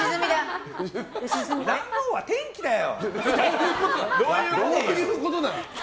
卵黄は天気だよ！